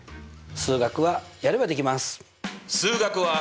数学はやればできます。